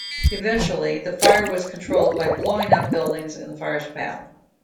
Eventually the fire was controlled by blowing up buildings in the fire's path.